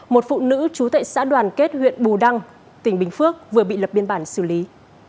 một phụ nữ trú tại xã đoàn kết huyện bù đăng tỉnh bình phước vừa bị lập biên bản xử lý